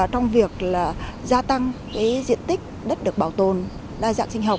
trong việc gia tăng diện tích đất được bảo tồn đa dạng sinh học